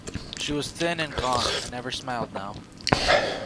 She was thin and gaunt, and never smiled, now.